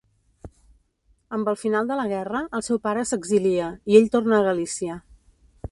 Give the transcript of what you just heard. Amb el final de la guerra el seu pare s'exilia, i ell torna a Galícia.